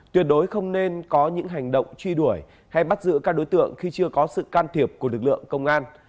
tuyệt đối không nên có những hành động truy đuổi hay bắt giữ các đối tượng khi chưa có sự can thiệp của lực lượng công an